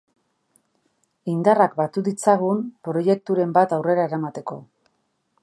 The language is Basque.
Indarrak batu ditzagun, proiekturen bat aurrera eramateko.